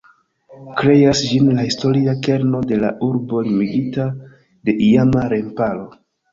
Kreas ĝin la historia kerno de la urbo limigita de iama remparo.